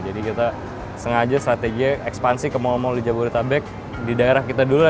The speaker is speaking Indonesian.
jadi kita sengaja strategi ekspansi ke mall mall di jabodetabek di daerah kita dulu